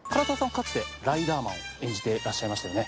かつてライダーマンを演じてらっしゃいましたよね。